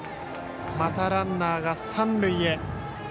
またランナーが三塁へ。